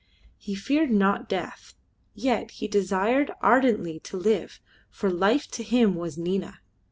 He feared not death, yet he desired ardently to live, for life to him was Nina.